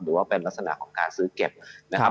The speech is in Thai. หรือว่าเป็นลักษณะของการซื้อเก็บนะครับ